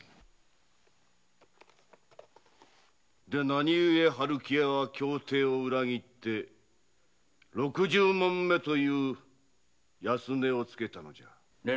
何ゆえ春喜屋は協定を裏切って六十匁という安値をつけたのじゃ？